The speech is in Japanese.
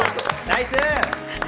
ナイス！